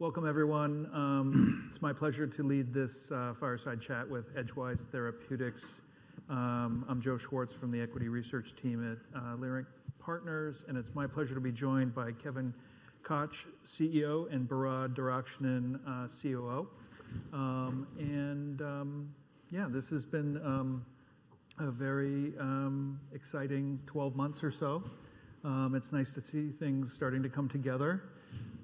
Welcome, everyone. It's my pleasure to lead this fireside chat with Edgewise Therapeutics. I'm Joe Schwartz from the equity research team at Leerink Partners, and it's my pleasure to be joined by Kevin Koch, CEO, and Behrad Derakhshan, COO. This has been a very exciting 12 months or so. It's nice to see things starting to come together.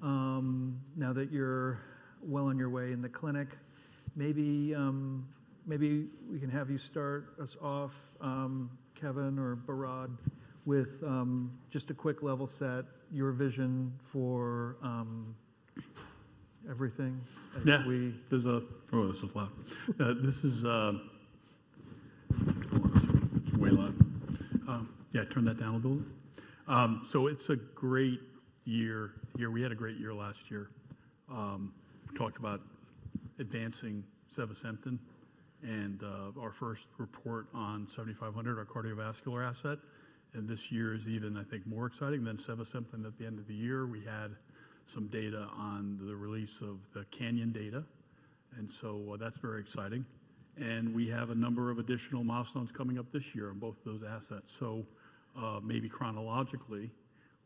Now that you're well on your way in the clinic, maybe we can have you start us off, Kevin or Behrad, with just a quick level set, your vision for everything. Yeah, there's a lot. This is way low. Yeah, turn that down a little bit. It is a great year here. We had a great year last year. We talked about advancing sevasemten and our first report on EDG-7500, our cardiovascular asset. This year is even, I think, more exciting than sevasemten at the end of the year. We had some data on the release of the CANYON data. That is very exciting. We have a number of additional milestones coming up this year on both of those assets. Maybe chronologically,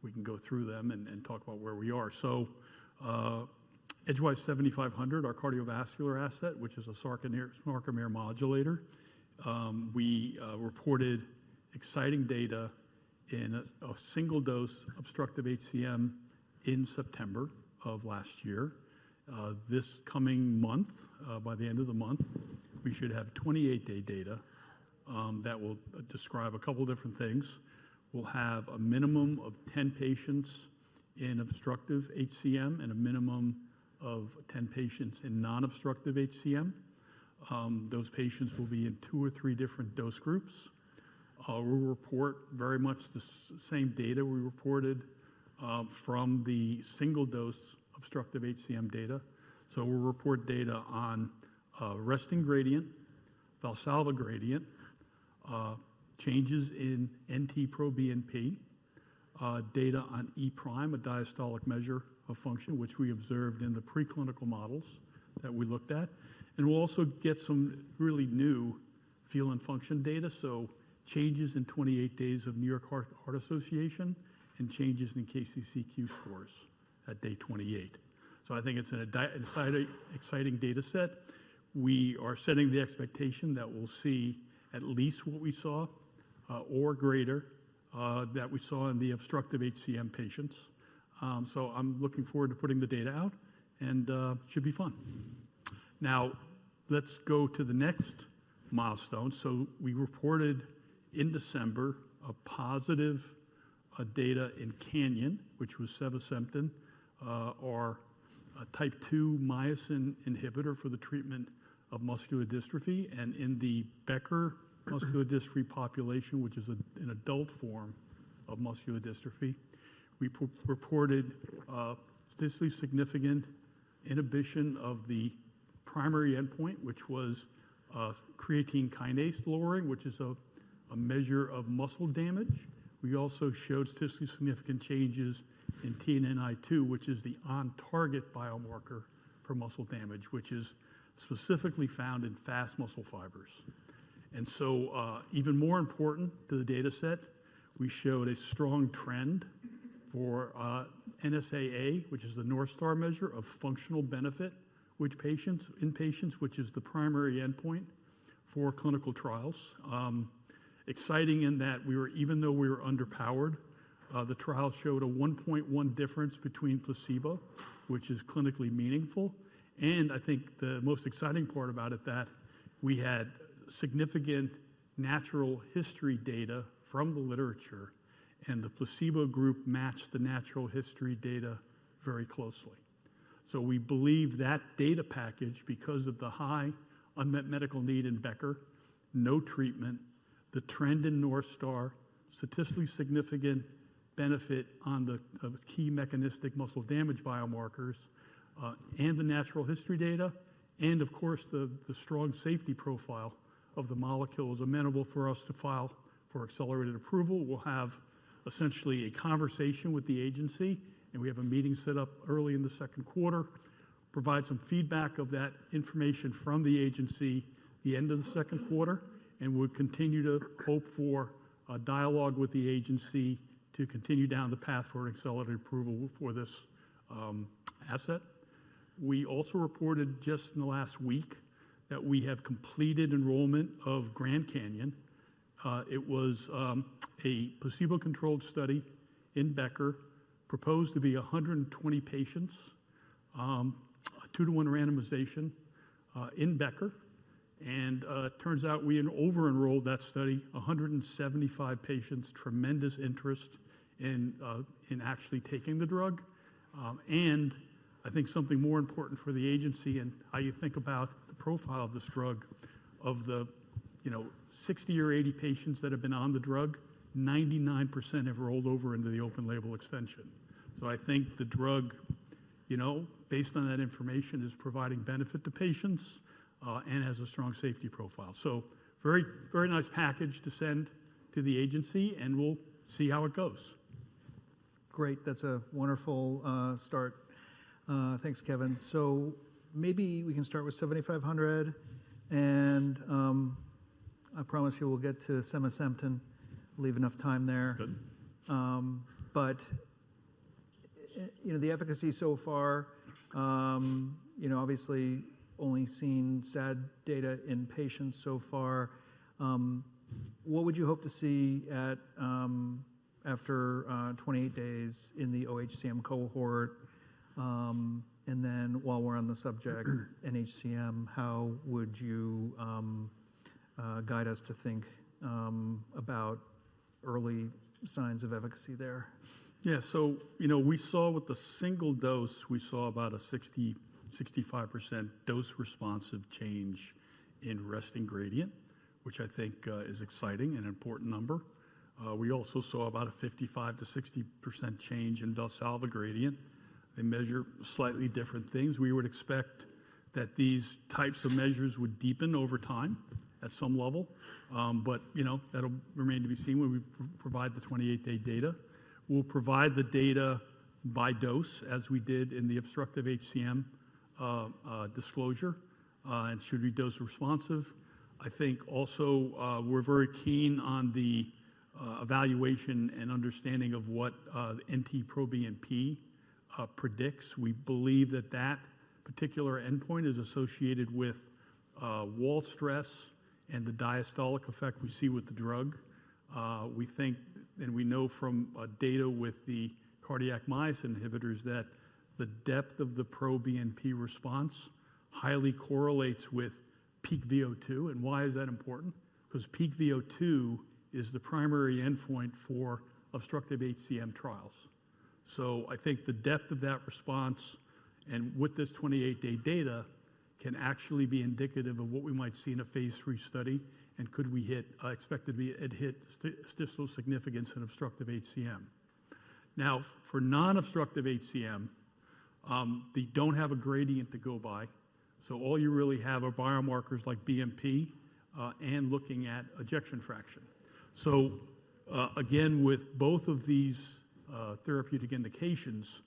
we can go through them and talk about where we are. EDG-7500, our cardiovascular asset, which is a sarcomere modulator, we reported exciting data in a single-dose obstructive HCM in September of last year. This coming month, by the end of the month, we should have 28-day data that will describe a couple of different things. We'll have a minimum of 10 patients in obstructive HCM and a minimum of 10 patients in non-obstructive HCM. Those patients will be in two or three different dose groups. We'll report very much the same data we reported from the single-dose obstructive HCM data. We'll report data on resting gradient, Valsalva gradient, changes in NT-proBNP, data on E-prime, a diastolic measure of function, which we observed in the preclinical models that we looked at. We'll also get some really new feel and function data. Changes in 28 days of New York Heart Association and changes in KCCQ scores at day 28. I think it's an exciting data set. We are setting the expectation that we'll see at least what we saw or greater that we saw in the obstructive HCM patients. I'm looking forward to putting the data out, and it should be fun. Now, let's go to the next milestone. We reported in December positive data in CANYON, which was sevasemten, our Type II myosin inhibitor for the treatment of muscular dystrophy. In the Becker muscular dystrophy population, which is an adult form of muscular dystrophy, we reported statistically significant inhibition of the primary endpoint, which was creatine kinase lowering, which is a measure of muscle damage. We also showed statistically significant changes in TNNI2, which is the on-target biomarker for muscle damage, which is specifically found in fast muscle fibers. Even more important to the data set, we showed a strong trend for NSAA, which is the North Star measure of functional benefit in patients, which is the primary endpoint for clinical trials. Exciting in that we were, even though we were underpowered, the trial showed a 1.1 difference between placebo, which is clinically meaningful. I think the most exciting part about it is that we had significant natural history data from the literature, and the placebo group matched the natural history data very closely. We believe that data package, because of the high unmet medical need in Becker, no treatment, the trend in North Star, statistically significant benefit on the key mechanistic muscle damage biomarkers, and the natural history data, and of course, the strong safety profile of the molecules amenable for us to file for accelerated approval. We'll have essentially a conversation with the agency, and we have a meeting set up early in the second quarter, provide some feedback of that information from the agency at the end of the second quarter, and we'll continue to hope for a dialogue with the agency to continue down the path toward accelerated approval for this asset. We also reported just in the last week that we have completed enrollment of GRAND CANYON. It was a placebo-controlled study in Becker, proposed to be 120 patients, a two-to-one randomization in Becker. It turns out we over-enrolled that study, 175 patients, tremendous interest in actually taking the drug. I think something more important for the agency and how you think about the profile of this drug, of the 60 or 80 patients that have been on the drug, 99% have rolled over into the open label extension. I think the drug, based on that information, is providing benefit to patients and has a strong safety profile. Very nice package to send to the agency, and we'll see how it goes. Great. That's a wonderful start. Thanks, Kevin. Maybe we can start with 7500, and I promise you we'll get to sevasemten. We'll leave enough time there. The efficacy so far, obviously, only seen SAD data in patients so far. What would you hope to see after 28 days in the OHCM cohort? While we're on the subject, NHCM, how would you guide us to think about early signs of efficacy there? Yeah, so we saw with the single dose, we saw about a 60%-65% dose-responsive change in resting gradient, which I think is exciting and an important number. We also saw about a 55%-60% change in Valsalva gradient. They measure slightly different things. We would expect that these types of measures would deepen over time at some level, but that will remain to be seen when we provide the 28-day data. We will provide the data by dose as we did in the obstructive HCM disclosure and should be dose-responsive. I think also we are very keen on the evaluation and understanding of what NT-proBNP predicts. We believe that that particular endpoint is associated with wall stress and the diastolic effect we see with the drug. We think and we know from data with the cardiac myosin inhibitors that the depth of the proBNP response highly correlates with peak VO2. Why is that important? Because peak VO2 is the primary endpoint for obstructive HCM trials. I think the depth of that response and with this 28-day data can actually be indicative of what we might see in a phase III study and could we expect it to hit statistical significance in obstructive HCM. Now, for non-obstructive HCM, they do not have a gradient to go by. All you really have are biomarkers like BNP and looking at ejection fraction. Again, with both of these therapeutic indications,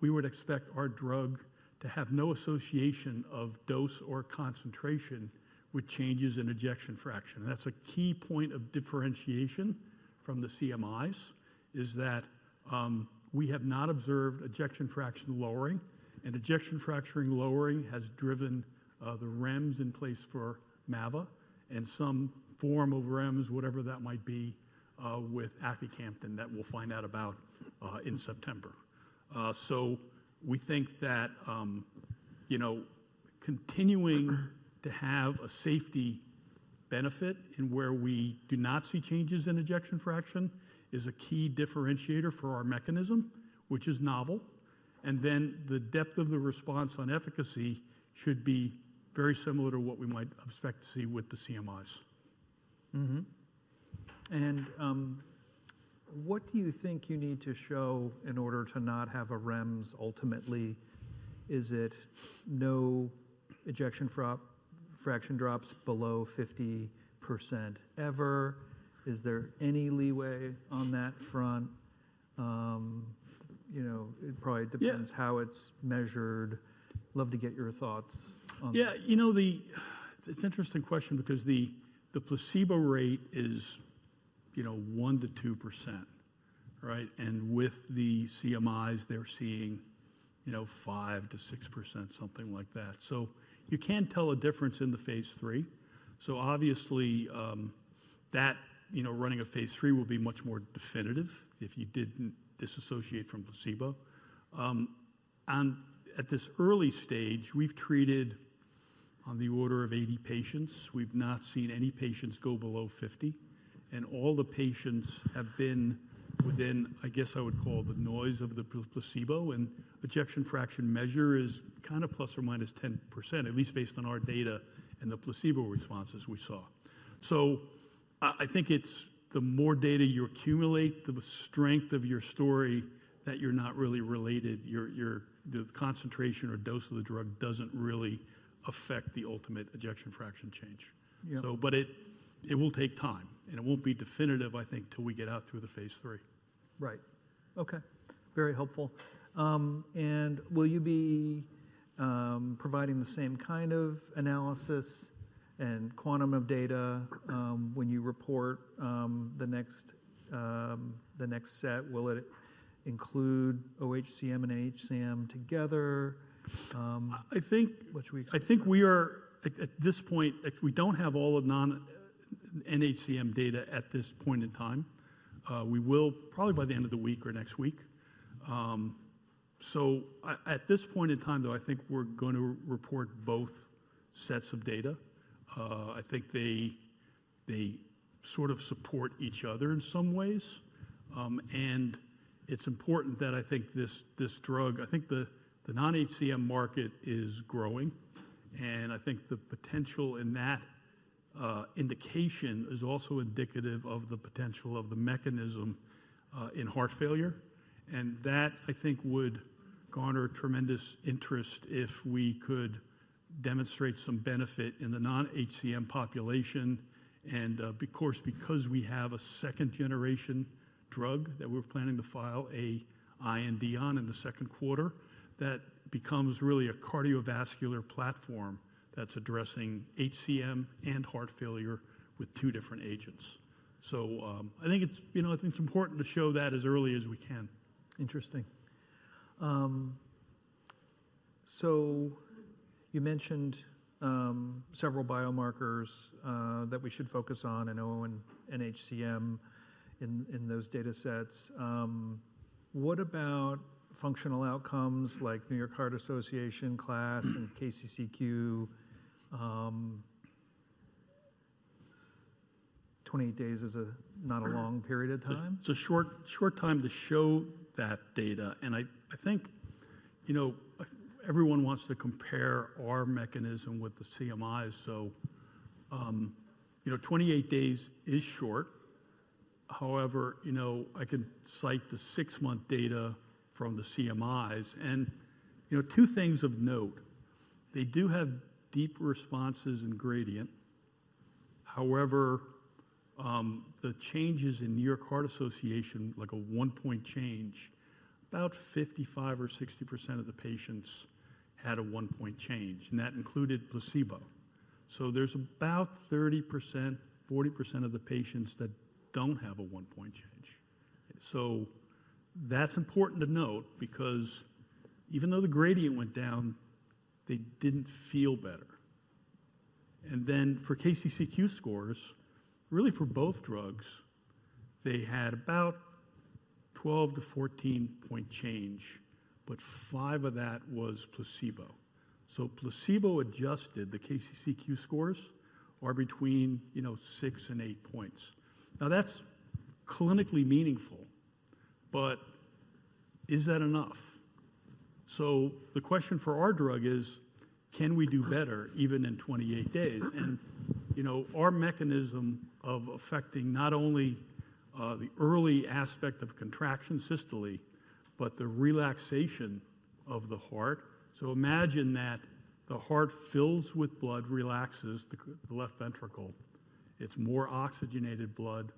we would expect our drug to have no association of dose or concentration with changes in ejection fraction. That's a key point of differentiation from the CMIs is that we have not observed ejection fraction lowering, and ejection fraction lowering has driven the REMS in place for mavacamten and some form of REMS, whatever that might be, with aficamten that we'll find out about in September. We think that continuing to have a safety benefit in where we do not see changes in ejection fraction is a key differentiator for our mechanism, which is novel. The depth of the response on efficacy should be very similar to what we might expect to see with the CMIs. What do you think you need to show in order to not have a REMS ultimately? Is it no ejection fraction drops below 50% ever? Is there any leeway on that front? It probably depends how it's measured. Love to get your thoughts on that. Yeah, you know, it's an interesting question because the placebo rate is 1%-2%, right? And with the CMIs, they're seeing 5%-6%, something like that. You can tell a difference in the phase III. Obviously, that running a phase III will be much more definitive if you didn't disassociate from placebo. At this early stage, we've treated on the order of 80 patients. We've not seen any patients go below 50. All the patients have been within, I guess I would call the noise of the placebo. An ejection fraction measure is kind of ±10%, at least based on our data and the placebo responses we saw. I think it's the more data you accumulate, the strength of your story that you're not really related, the concentration or dose of the drug doesn't really affect the ultimate ejection fraction change. It will take time, and it won't be definitive, I think, till we get out through the phase III. Right. Okay. Very helpful. Will you be providing the same kind of analysis and quantum of data when you report the next set? Will it include OHCM and NHCM together? I think we are at this point, we don't have all of non-HCM data at this point in time. We will probably by the end of the week or next week. At this point in time, though, I think we're going to report both sets of data. I think they sort of support each other in some ways. It's important that I think this drug, I think the non-HCM market is growing. I think the potential in that indication is also indicative of the potential of the mechanism in heart failure. That, I think, would garner tremendous interest if we could demonstrate some benefit in the non-HCM population. Of course, because we have a second-generation drug that we're planning to file an IND on in the second quarter, that becomes really a cardiovascular platform that's addressing HCM and heart failure with two different agents. I think it's important to show that as early as we can. Interesting. You mentioned several biomarkers that we should focus on, I know NHCM in those data sets. What about functional outcomes like New York Heart Association class and KCCQ? 28 days is not a long period of time. It's a short time to show that data. I think everyone wants to compare our mechanism with the CMIs. Twenty-eight days is short. However, I could cite the six-month data from the CMIs. Two things of note, they do have deep responses in gradient. However, the changes in New York Heart Association, like a one-point change, about 55% or 60% of the patients had a one-point change, and that included placebo. There is about 30%-40% of the patients that do not have a one-point change. That is important to note because even though the gradient went down, they did not feel better. For KCCQ scores, really for both drugs, they had about a 12-14 point change, but five of that was placebo. Placebo adjusted, the KCCQ scores are between six and eight points. That is clinically meaningful, but is that enough? The question for our drug is, can we do better even in 28 days? Our mechanism of affecting not only the early aspect of contraction systole, but the relaxation of the heart. Imagine that the heart fills with blood, relaxes the left ventricle. It's more oxygenated blood.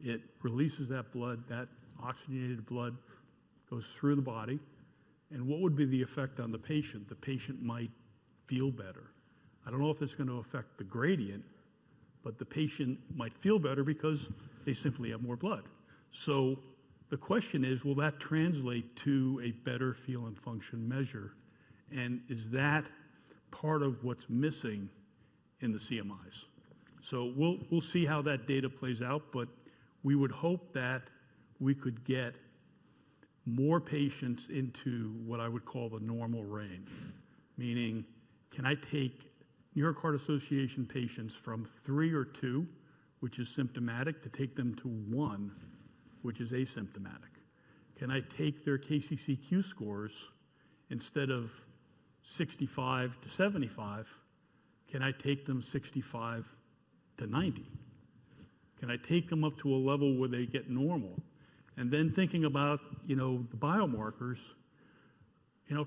It releases that blood, that oxygenated blood goes through the body. What would be the effect on the patient? The patient might feel better. I don't know if it's going to affect the gradient, but the patient might feel better because they simply have more blood. The question is, will that translate to a better feel and function measure? Is that part of what's missing in the CMIs? We will see how that data plays out, but we would hope that we could get more patients into what I would call the normal range, meaning can I take New York Heart Association patients from three or two, which is symptomatic, to take them to one, which is asymptomatic? Can I take their KCCQ scores instead of 65-75? Can I take them 65-90? Can I take them up to a level where they get normal? And then thinking about the biomarkers,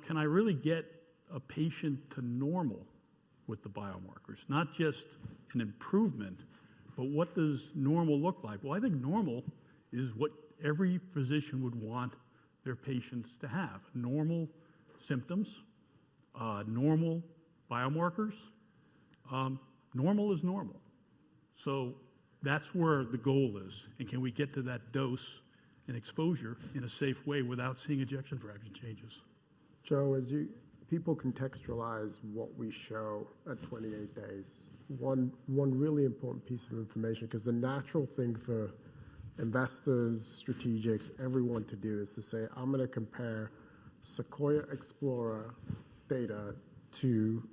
can I really get a patient to normal with the biomarkers, not just an improvement, but what does normal look like? I think normal is what every physician would want their patients to have: normal symptoms, normal biomarkers. Normal is normal. That is where the goal is. Can we get to that dose and exposure in a safe way without seeing ejection fraction changes? Joe, as people contextualize what we show at 28 days, one really important piece of information, because the natural thing for investors, strategics, everyone to do is to say, I'm going to compare SEQUOIA and EXPLORER data to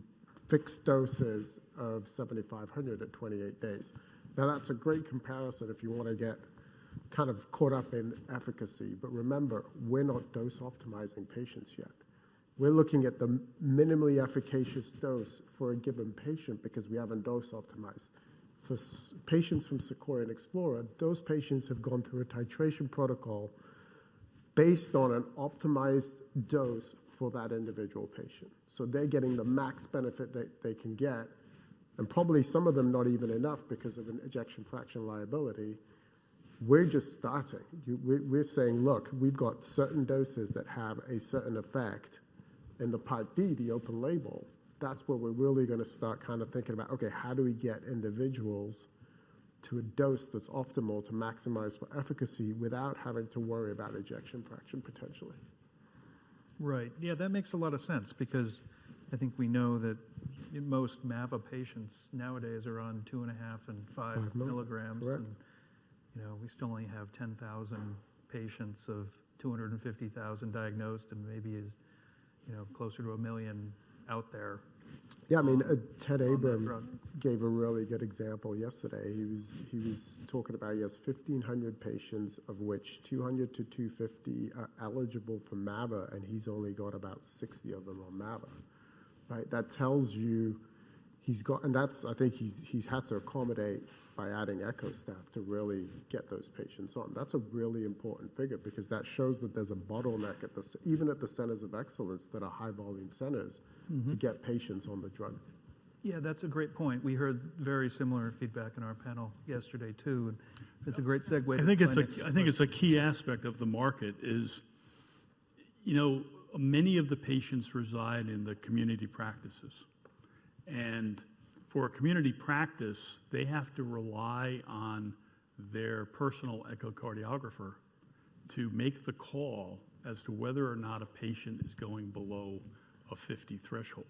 fixed doses of 7500 at 28 days. Now, that's a great comparison if you want to get kind of caught up in efficacy. Remember, we're not dose-optimizing patients yet. We're looking at the minimally efficacious dose for a given patient because we haven't dose-optimized. For patients from SEQUOIA and EXPLORER, those patients have gone through a titration protocol based on an optimized dose for that individual patient. They are getting the max benefit they can get, and probably some of them not even enough because of an ejection fraction liability. We're just starting. We're saying, look, we've got certain doses that have a certain effect in the Part B, the open label. That's where we're really going to start kind of thinking about, okay, how do we get individuals to a dose that's optimal to maximize for efficacy without having to worry about ejection fraction potentially? Right. Yeah, that makes a lot of sense because I think we know that most mavacamten patients nowadays are on 2.5 mg and 5 mg. And we still only have 10,000 patients of 250,000 diagnosed and maybe closer to a million out there. Yeah, I mean, Ted Abraham gave a really good example yesterday. He was talking about, he has 1,500 patients, of which 200-250 are eligible for mava, and he's only got about 60 of them on mava. That tells you he's got, and that's, I think he's had to accommodate by adding echo staff to really get those patients on. That's a really important figure because that shows that there's a bottleneck even at the centers of excellence that are high-volume centers to get patients on the drug. Yeah, that's a great point. We heard very similar feedback in our panel yesterday too. It's a great segue. I think it's a key aspect of the market is many of the patients reside in the community practices. For a community practice, they have to rely on their personal echocardiographer to make the call as to whether or not a patient is going below a 50 threshold.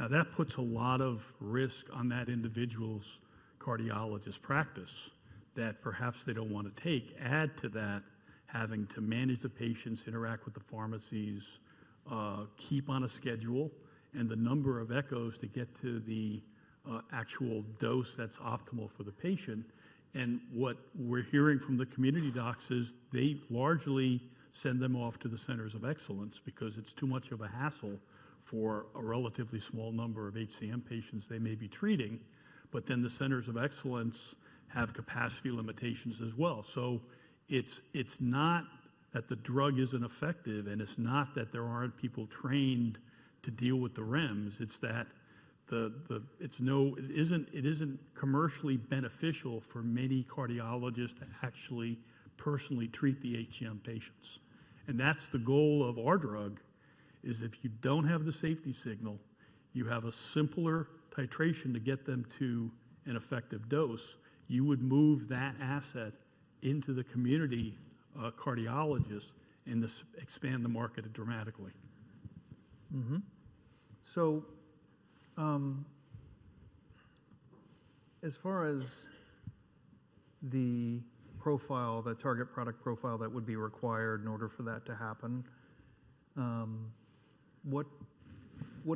That puts a lot of risk on that individual's cardiologist practice that perhaps they don't want to take. Add to that having to manage the patients, interact with the pharmacies, keep on a schedule, and the number of echoes to get to the actual dose that's optimal for the patient. What we're hearing from the community docs is they largely send them off to the centers of excellence because it's too much of a hassle for a relatively small number of HCM patients they may be treating. The centers of excellence have capacity limitations as well. It is not that the drug is not effective and it is not that there are not people trained to deal with the REMS. It is that it is not commercially beneficial for many cardiologists to actually personally treat the HCM patients. That is the goal of our drug: if you do not have the safety signal, you have a simpler titration to get them to an effective dose, you would move that asset into the community cardiologists and expand the market dramatically. As far as the profile, the target product profile that would be required in order for that to happen, what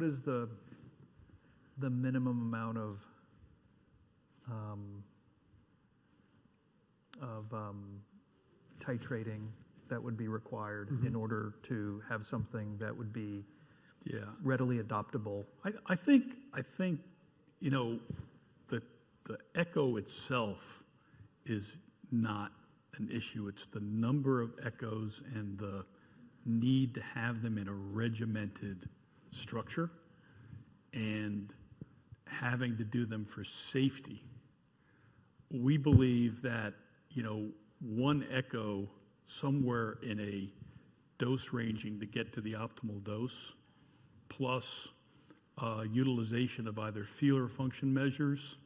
is the minimum amount of titrating that would be required in order to have something that would be readily adoptable? I think the echo itself is not an issue. It's the number of echoes and the need to have them in a regimented structure and having to do them for safety. We believe that one echo somewhere in a dose ranging to get to the optimal dose, plus utilization of either feel or function measures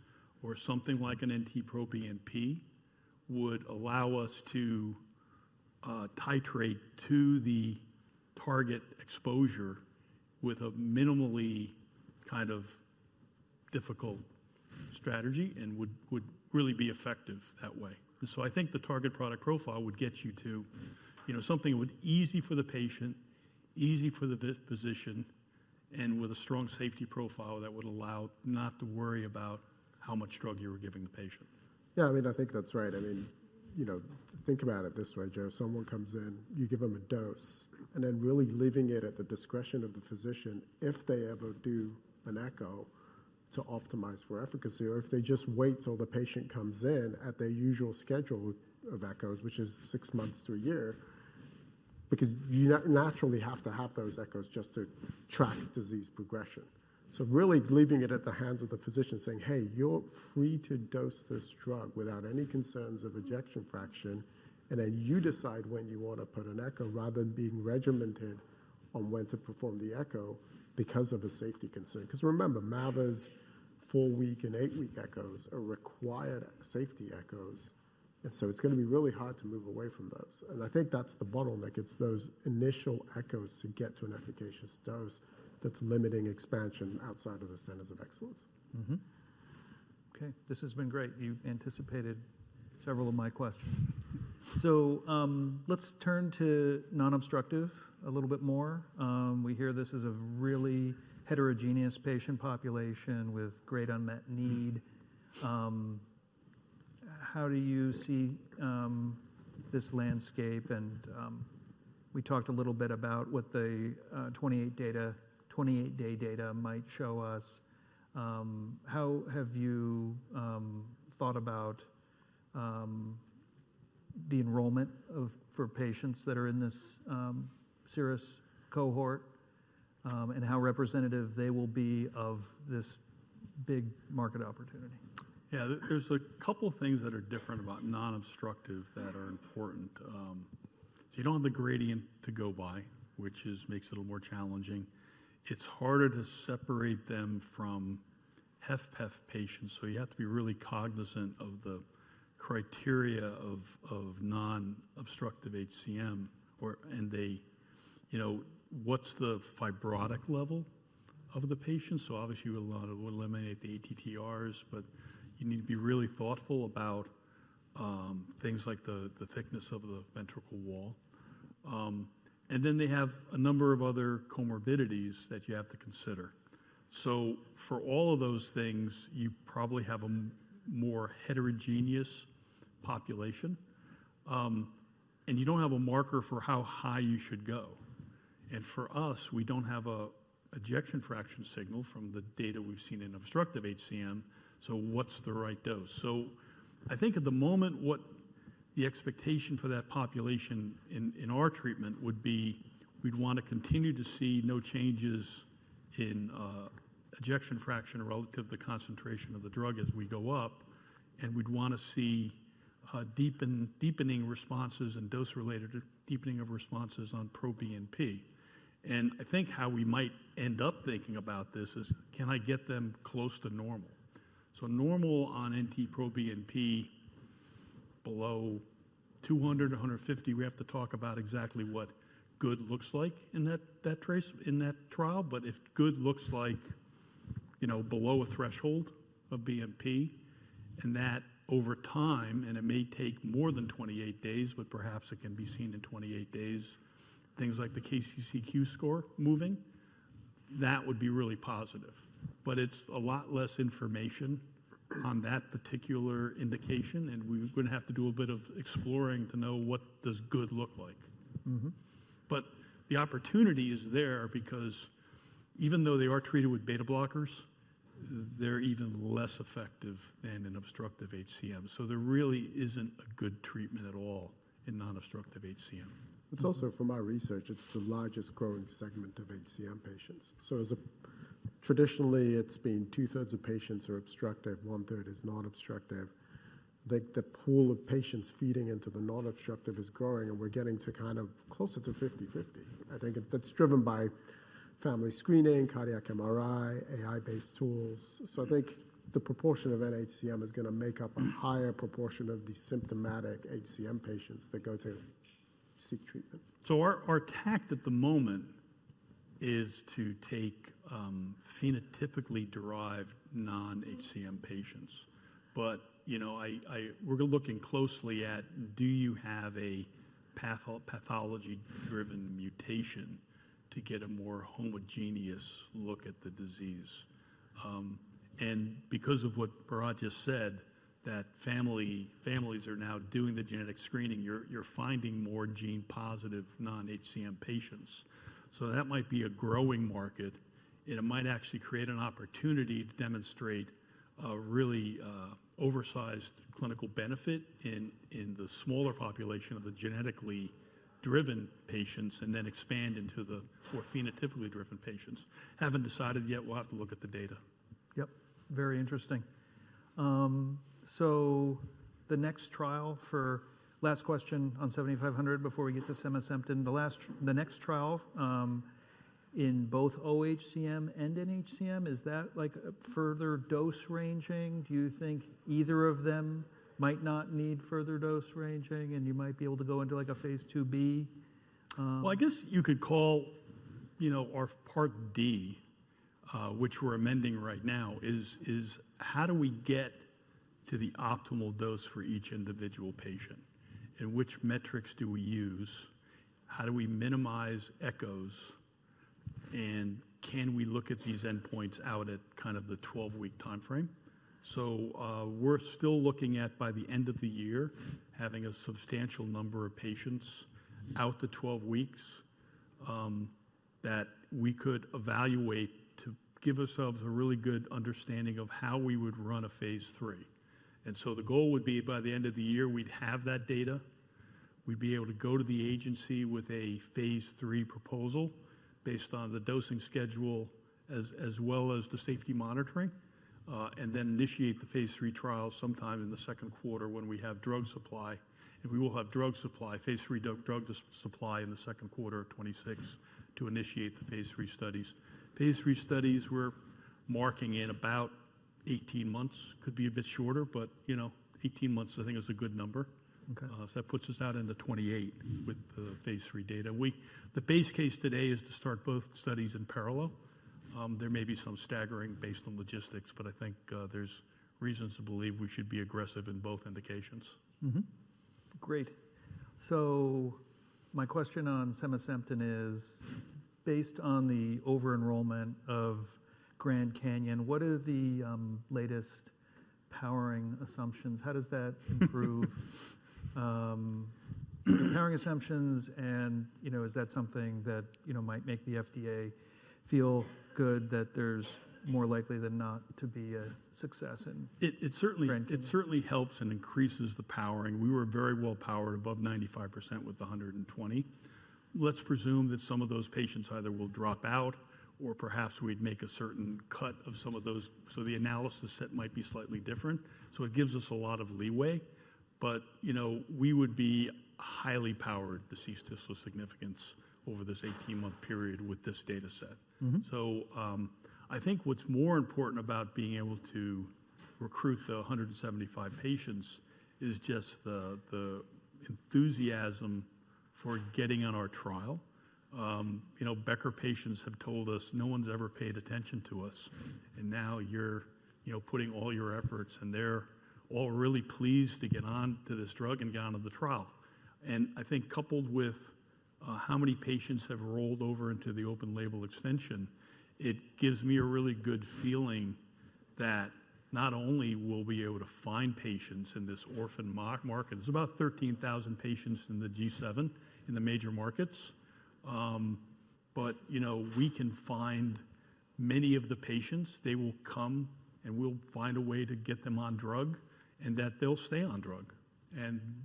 or something like an NT-proBNP, would allow us to titrate to the target exposure with a minimally kind of difficult strategy and would really be effective that way. I think the target product profile would get you to something that would be easy for the patient, easy for the physician, and with a strong safety profile that would allow not to worry about how much drug you were giving the patient. Yeah, I mean, I think that's right. I mean, think about it this way, Joe. Someone comes in, you give them a dose, and then really leaving it at the discretion of the physician if they ever do an echo to optimize for efficacy, or if they just wait till the patient comes in at their usual schedule of echoes, which is six months to a year, because you naturally have to have those echoes just to track disease progression. Really leaving it at the hands of the physician saying, "Hey, you're free to dose this drug without any concerns of ejection fraction, and then you decide when you want to put an echo," rather than being regimented on when to perform the echo because of a safety concern. Because remember, mava's four-week and eight-week echoes are required safety echoes. It's going to be really hard to move away from those. I think that's the bottleneck. It's those initial echoes to get to an efficacious dose that's limiting expansion outside of the centers of excellence. Okay. This has been great. You anticipated several of my questions. Let's turn to non-obstructive a little bit more. We hear this is a really heterogeneous patient population with great unmet need. How do you see this landscape? We talked a little bit about what the 28-day data might show us. How have you thought about the enrollment for patients that are in this serious cohort and how representative they will be of this big market opportunity? Yeah, there's a couple of things that are different about non-obstructive that are important. You don't have the gradient to go by, which makes it a little more challenging. It's harder to separate them from HFpEF patients. You have to be really cognizant of the criteria of non-obstructive HCM, and what's the fibrotic level of the patient. Obviously, you will eliminate the ATTRs, but you need to be really thoughtful about things like the thickness of the ventricle wall. They have a number of other comorbidities that you have to consider. For all of those things, you probably have a more heterogeneous population, and you don't have a marker for how high you should go. For us, we don't have an ejection fraction signal from the data we've seen in obstructive HCM, so what's the right dose? I think at the moment, what the expectation for that population in our treatment would be, we'd want to continue to see no changes in ejection fraction relative to the concentration of the drug as we go up, and we'd want to see deepening responses and dose-related deepening of responses on proBNP. I think how we might end up thinking about this is, can I get them close to normal? So normal on NT-proBNP below 200, 150, we have to talk about exactly what good looks like in that trial. If good looks like below a threshold of BNP, and that over time, and it may take more than 28 days, but perhaps it can be seen in 28 days, things like the KCCQ score moving, that would be really positive. It's a lot less information on that particular indication, and we're going to have to do a bit of exploring to know what does good look like. The opportunity is there because even though they are treated with beta blockers, they're even less effective than in obstructive HCM. There really isn't a good treatment at all in non-obstructive HCM. It's also from our research, it's the largest growing segment of HCM patients. Traditionally, it's been two-thirds of patients are obstructive, one-third is non-obstructive. The pool of patients feeding into the non-obstructive is growing, and we're getting to kind of closer to 50-50. I think that's driven by family screening, cardiac MRI, AI-based tools. I think the proportion of NHCM is going to make up a higher proportion of the symptomatic HCM patients that go to seek treatment. Our tact at the moment is to take phenotypically derived non-HCM patients. We are looking closely at, do you have a pathology-driven mutation to get a more homogeneous look at the disease? Because of what Behrad just said, that families are now doing the genetic screening, you are finding more gene-positive non-HCM patients. That might be a growing market, and it might actually create an opportunity to demonstrate a really oversized clinical benefit in the smaller population of the genetically driven patients and then expand into the more phenotypically driven patients. Have not decided yet. We will have to look at the data. Yep. Very interesting. The next trial for last question on 7500 before we get to sevasemten, the next trial in both OHCM and NHCM, is that like further dose ranging? Do you think either of them might not need further dose ranging, and you might be able to go into like a phase II-B? I guess you could call our Part D, which we're amending right now, is how do we get to the optimal dose for each individual patient? Which metrics do we use? How do we minimize echoes? Can we look at these endpoints out at kind of the 12-week timeframe? We're still looking at, by the end of the year, having a substantial number of patients out to 12 weeks that we could evaluate to give ourselves a really good understanding of how we would run a phase III. The goal would be by the end of the year, we'd have that data, we'd be able to go to the agency with a phase III proposal based on the dosing schedule as well as the safety monitoring, and then initiate the phase III trial sometime in the second quarter when we have drug supply. We will have drug supply, phase III drug supply in the second quarter of 2026 to initiate the phase III studies. Phase III studies, we're marking in about 18 months. Could be a bit shorter, but 18 months, I think, is a good number. That puts us out into 2028 with the phase III data. The base case today is to start both studies in parallel. There may be some staggering based on logistics, but I think there's reasons to believe we should be aggressive in both indications. Great. My question on sevasemten is, based on the over-enrollment of GRAND CANYON, what are the latest powering assumptions? How does that improve powering assumptions? Is that something that might make the FDA feel good that there's more likely than not to be a success in? It certainly helps and increases the powering. We were very well powered above 95% with 120. Let's presume that some of those patients either will drop out or perhaps we'd make a certain cut of some of those. The analysis set might be slightly different. It gives us a lot of leeway. We would be highly powered to see statistical significance over this 18-month period with this data set. I think what's more important about being able to recruit the 175 patients is just the enthusiasm for getting on our trial. Becker patients have told us, "No one's ever paid attention to us." Now you're putting all your efforts, and they're all really pleased to get on to this drug and get onto the trial. I think coupled with how many patients have rolled over into the open label extension, it gives me a really good feeling that not only will we be able to find patients in this orphan market. There are about 13,000 patients in the G7 in the major markets. We can find many of the patients. They will come, and we'll find a way to get them on drug, and that they'll stay on drug.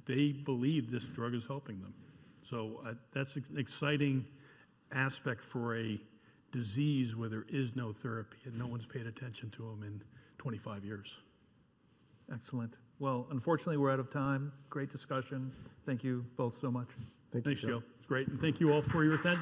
They believe this drug is helping them. That is an exciting aspect for a disease where there is no therapy and no one's paid attention to them in 25 years. Excellent. Unfortunately, we're out of time. Great discussion. Thank you both so much. Thank you. Thanks, Joe. It's great. Thank you all for your attention.